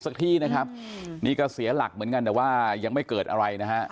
สักที่นะครับนี่ก็เสียหลักเหมือนกันแต่ว่ายังไม่เกิดอะไรนะฮะ